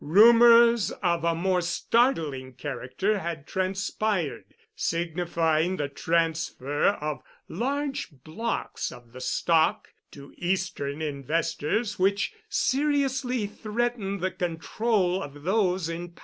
Rumors of a more startling character had transpired, signifying the transfer of large blocks of the stock to Eastern investors which seriously threatened the control of those in power.